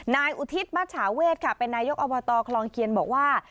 นายอุทิศมัชชาเวทค่ะเป็นนายกอบตคลองเคียนบอกว่า